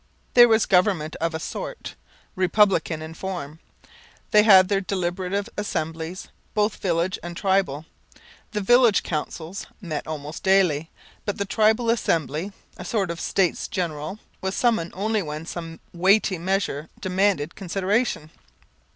There was government of a sort, republican in form. They had their deliberative assemblies, both village and tribal. The village councils met almost daily, but the tribal assembly a sort of states general was summoned only when some weighty measure demanded consideration.